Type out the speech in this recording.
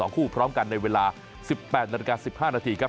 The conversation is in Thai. ๒คู่พร้อมกันในเวลา๑๘๑๕นาทีครับ